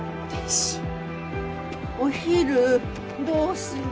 お昼どうする？